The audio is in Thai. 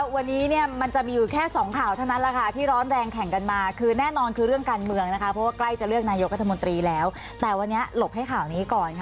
วันนี้มันจะมีอยู่แค่สองข่าวเท่านั้นแล้วค่ะที่ร้อนแรงแข่งกันมาคือแน่นอนคือเรื่องการเมืองนะคะเฒ่าก็